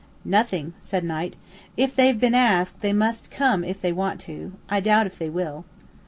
"Nothing," said Knight. "If they've been asked, they must come if they want to. I doubt if they will."